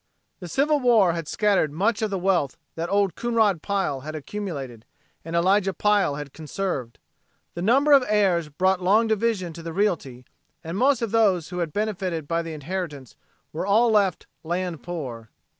The Civil War had scattered much of the wealth that Old Coonrod Pile had accumulated and Elijah Pile had conserved. The number of heirs brought long division to the realty and most of those who had benefited by the inheritance were all left "land poor."